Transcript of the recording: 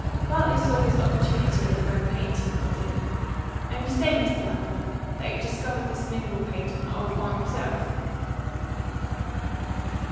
Bartley saw his opportunity at the word paint, and cut in. "And you say, Mr. Lapham, that you discovered this mineral paint on the old farm yourself?"